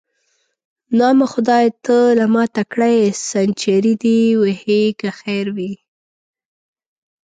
نام خدای، ته له ما تکړه یې، سنچري دې وهې که خیر وي.